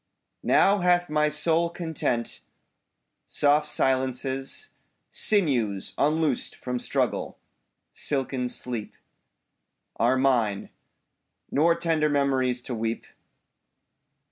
Now hath my soul content. Soft silences, Sinews unloosed from struggle, silken sleep, 27 Are mine; nor tender memories to weep.